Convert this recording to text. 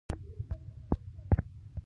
زه له خلکو سره په مهربانۍ چلند کوم.